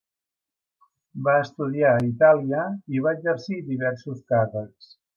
Va estudiar a Itàlia i va exercir diversos càrrecs.